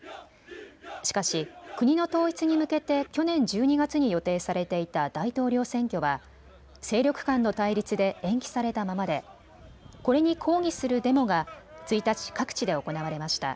しかし国の統一に向けて去年１２月に予定されていた大統領選挙は勢力間の対立で延期されたままでこれに抗議するデモが１日、各地で行われました。